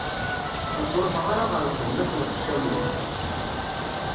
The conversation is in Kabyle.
Ur ttruḥeɣ ara ɣer lxedma s lqecc am wa.